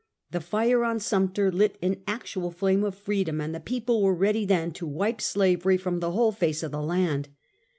The fire on Sumter lit an actual flame of freedom, and the people were ready then to wipe slavery from the whole face of the land.